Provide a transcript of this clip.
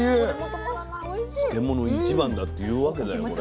漬物一番だって言うわけだよこれ。